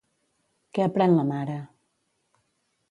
Què aprèn la mare?